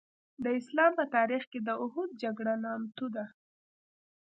د اسلام په تاریخ کې د اوحد جګړه نامتو ده.